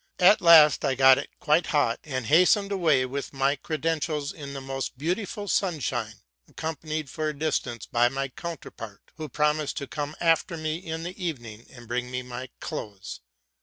At last I got it quite hot, and hastened away with my credentials in the most beautiful sunshine, accompanied for a distance by my counterpart, who promised to come after me in the evening and bring me my clothes.